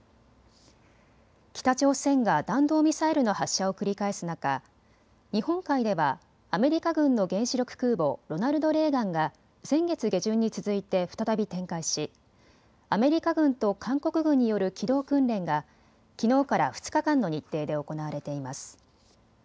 北朝鮮が弾道ミサイルの発射を繰り返す中、日本海ではアメリカ軍の原子力空母ロナルド・レーガンが先月下旬に続いて再び展開しアメリカ軍と韓国軍による機動訓練がきのうから２日間の日程で行われています。